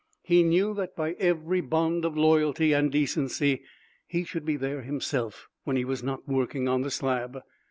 He knew that by every bond of loyalty and decency he should be there himself when he was not working on the slab.